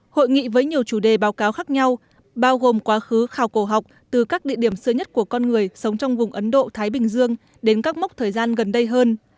hội nghị với nhiều chủ đề báo cáo khác nhau bao gồm quá khứ khảo cổ học từ các địa điểm xưa nhất của con người sống trong vùng ấn độ thái bình dương đến các mốc thời gian gần đây hơn